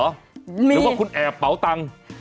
หรือคุณแอบเปาตัง